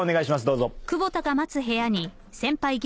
どうぞ。